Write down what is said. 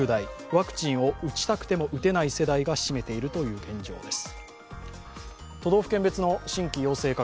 ワクチンを打ちたくても打てない世代が占めているという現状です。